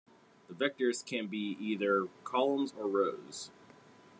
The vectors can be either columns or rows.